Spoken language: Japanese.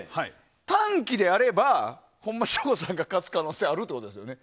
短期であれば省吾さんが勝つ可能性があるということですよね。